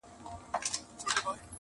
• او د غره لمن له لیری ورښکاره سول -